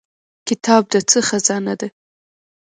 کتاب د څه خزانه ده؟